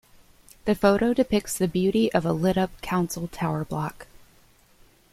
The photo depicts the beauty of a lit up council tower block.